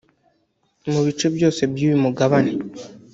mu bice byose by’uyu mugabane